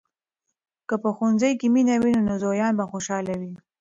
که په ښوونځي کې مینه وي، نو زویان به خوشحال وي.